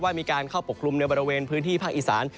มีการเข้าปกคลุมในบริเวณพื้นที่ภาคอีสาน